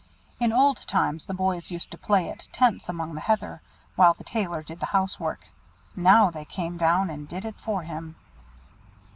In old times the boys used to play at tents among the heather, while the Tailor did the house work; now they came down and did it for him.